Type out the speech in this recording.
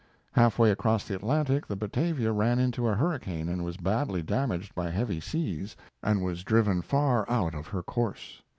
Half way across the Atlantic the Batavia ran into a hurricane and was badly damaged by heavy seas, and driven far out of her course.